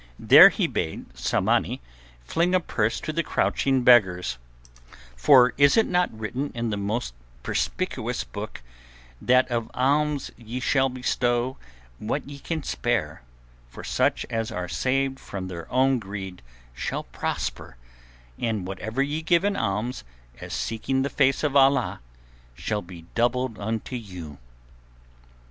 There he bade Tsamanni fling a purse to the crouching beggars—for is it not written in the Most Perspicuous Book that of alms ye shall bestow what ye can spare, for such as are saved from their own greed shall prosper, and whatever ye give in alms, as seeking the face of Allah shall be doubled unto you?